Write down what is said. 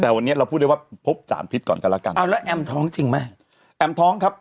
แต่วันนี้เราพูดได้ว่าพบสารพิษก่อนกันแล้วกันเอาแล้วแอมท้องจริงไหมแอมท้องครับ